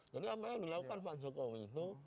jadi apa yang dilakukan pak jokowi itu